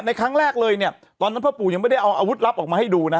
ครั้งแรกเลยเนี่ยตอนนั้นพ่อปู่ยังไม่ได้เอาอาวุธลับออกมาให้ดูนะ